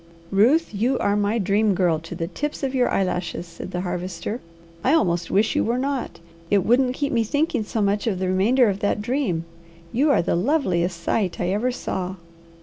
"Ruth, you are my Dream Girl to the tips of your eyelashes," said the Harvester. "I almost wish you were not. It wouldn't keep me thinking so much of the remainder of that dream. You are the loveliest sight I ever saw."